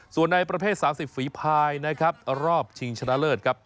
ส่วนในประเภท๓๐ฝีภายนะครับรอบชิงชนะเลิศครับ